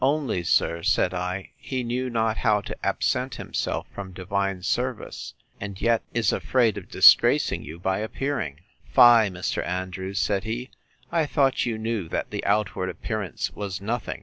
Only, sir, said I, he knew not how to absent himself from divine service, and yet is afraid of disgracing you by appearing. Fie, Mr. Andrews! said he, I thought you knew that the outward appearance was nothing.